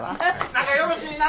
仲よろしいな。